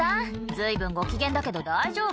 随分ご機嫌だけど大丈夫？